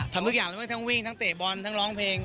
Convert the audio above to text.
ทำทุกอย่างเลยทั้งวิ่งทั้งเตะบอลทั้งร้องเพลง